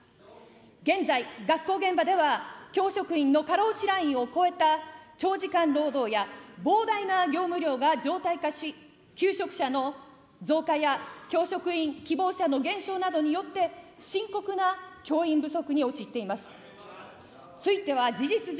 現在、学校現場では、教職員の過労死ラインを超えた、長時間労働や膨大な業務量が常態化し、休職者の増加や教職員希望者の減少などによって、深刻な教員不足に陥っています。